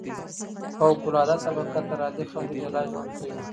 فوق العاده طبقه تر عادي خلګو جلا ژوند کوي.